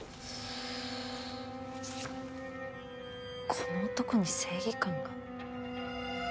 この男に正義感が？